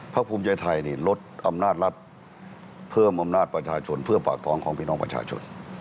ภูมิใจไทยนี่ลดอำนาจรัฐเพิ่มอำนาจประชาชนเพื่อปากท้องของพี่น้องประชาชน